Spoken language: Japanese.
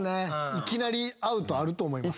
いきなりアウトあると思う。